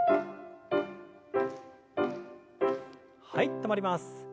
はい止まります。